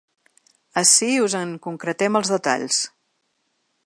Ací us en concretem els detalls.